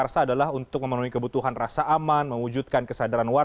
satu kepolisian khusus